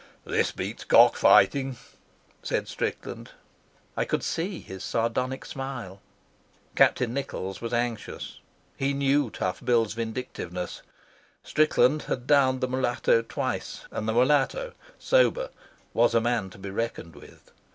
"This beats cock fighting," said Strickland. I could see his sardonic smile. Captain Nichols was anxious. He knew Tough Bill's vindictiveness. Strickland had downed the mulatto twice, and the mulatto, sober, was a man to be reckoned with.